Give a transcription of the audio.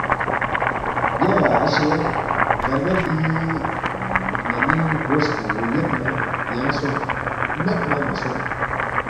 یا لہ اشے، گربہ پی نمی گروس پو یود نہ یانگ سونگ، مید نہ مہ سونگ